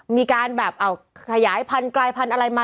มีการแบบเอาขยายพันธุ์กลายพันธุ์อะไรมา